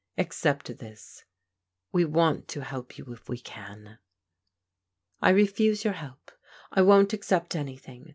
Except this :— ^we want to help you if we can." "I refuse your help. I won't accept an3rthing.